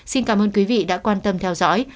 xin cảm ơn quý vị đã quan tâm theo dõi